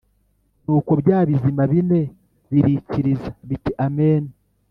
Nuko bya bizima bine birikiriza biti “Amen!”